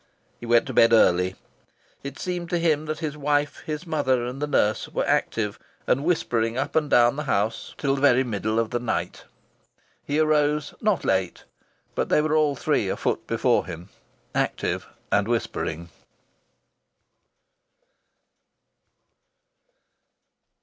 He went to bed early. It seemed to him that his wife, his mother and the nurse were active and whispering up and down the house till the very middle of the night. He arose not late; but they were all three afoot before him, active and whispering.